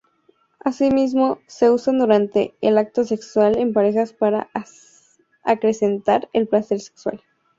Asimismo se usan durante el acto sexual en pareja para acrecentar el placer sexual.